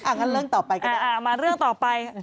งั้นเรื่องต่อไปก็ได้มาเรื่องต่อไป